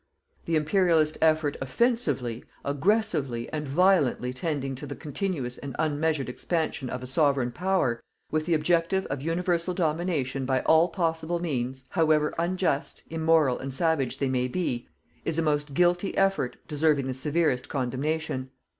The Imperialist effort OFFENSIVELY, AGGRESSIVELY and VIOLENTLY tending to the continuous and unmeasured expansion of a Sovereign Power, with the objective of universal domination by all possible means, however unjust, immoral and savage they may be, is a most guilty effort deserving the severest condemnation.